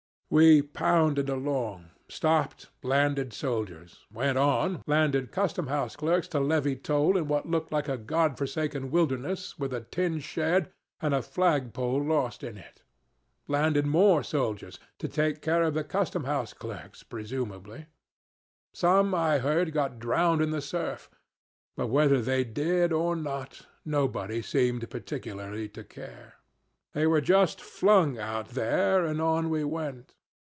We pounded along, stopped, landed soldiers; went on, landed custom house clerks to levy toll in what looked like a God forsaken wilderness, with a tin shed and a flag pole lost in it; landed more soldiers to take care of the custom house clerks, presumably. Some, I heard, got drowned in the surf; but whether they did or not, nobody seemed particularly to care. They were just flung out there, and on we went.